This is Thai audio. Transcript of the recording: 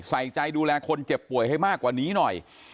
ใส่ใจดูแลคนเจ็บป่วยให้มากกว่านี้หน่อย